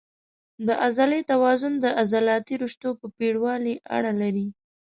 د عضلې توان د عضلاتي رشتو په پېړوالي اړه لري.